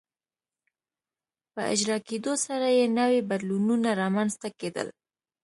په اجرا کېدو سره یې نوي بدلونونه رامنځته کېدل.